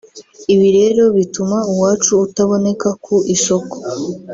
ibi rero bituma uwacu utaboneka ku isoko